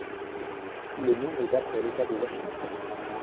Il est nommé d'après l’État de Washington.